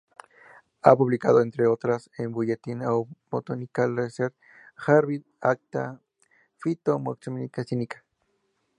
Ha publicado, entre otras, en Bulletin of Botanical Research, Harbin, Acta Phytotaxonomica Sinica.